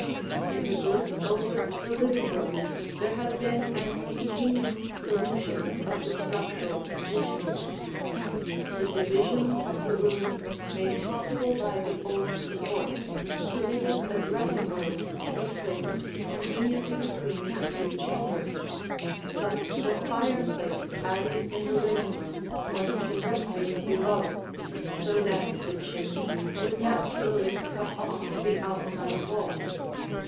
In the group over the living room there has been an ingenious solution of the structural conditions. The division of the rooms made possible by the old supports permitted a dressing room to be placed conveniently between the two chambers, but the fireplace added in the living room was directly below, so that the chimney would naturally cut off the outside wall.